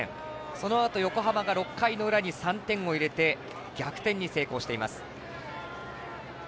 そのあとに横浜が６回の裏に３点を入れて逆転に成功しています。